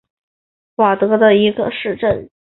瓦尔斯莱本是德国勃兰登堡州的一个市镇。